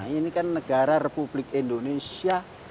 ini kan negara republik indonesia